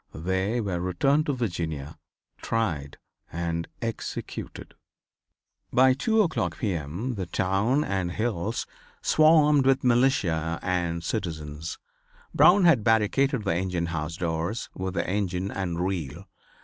They were returned to Virginia, tried and executed. By 2 o'clock P. M., the town and hills swarmed with militia and citizens. Brown had barricaded the engine house doors with the engine and reel.